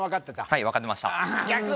はい分かってました